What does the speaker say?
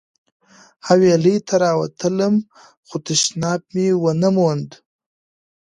حویلۍ ته راووتلم خو تشناب مې ونه موند.